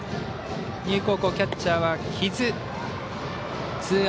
丹生高校、キャッチャーは木津。